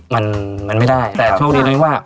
มันไม่ได้แต่โชคดีด้วยว่า